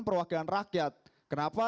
perwakilan rakyat kenapa